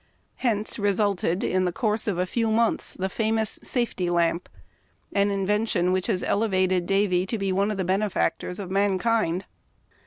Hence resulted, in the course of a few months, the famous " safety lamp," an invention which has elevated Davy to be one of the benefactors of mankind.